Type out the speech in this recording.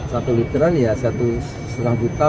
satu literan ya satu setengah juta